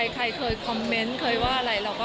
ใครเคยคอมเมนต์เคยว่าอะไร